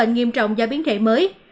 nghiêm trọng do biến thể mới